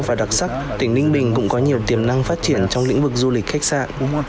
và đặc sắc tỉnh ninh bình cũng có nhiều tiềm năng phát triển trong lĩnh vực du lịch khách sạn